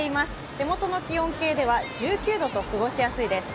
手元の気温計では１９度と過ごしやすいです。